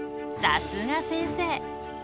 さすが先生。